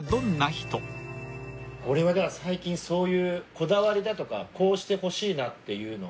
俺は最近そういうこだわりだとかこうしてほしいなっていうのが。